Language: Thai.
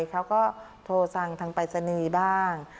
เขาก็โทรสั่งทางปรายศนีย์บ้าง